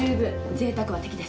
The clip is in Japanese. ぜいたくは敵です。